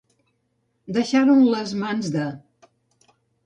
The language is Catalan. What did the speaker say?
Deixar-ho en les mans de.